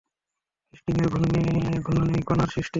স্ট্রিংয়ের ঘূর্ণনেই কণার সৃষ্টি।